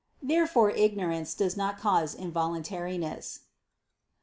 Therefore ignorance does not cause involuntariness.